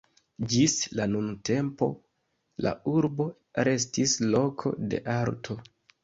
Ĝis la nuntempo la urbo restis loko de arto.